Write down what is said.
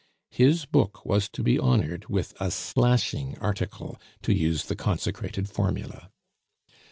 His book was to be honored with "a slashing article," to use the consecrated formula.